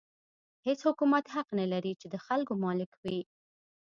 هېڅ حکومت حق نه لري چې د خلکو مالک وي.